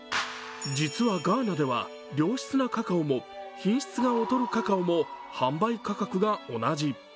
実はガーナでは良質なカカオも品質が劣るカカオも販売価格が同じ。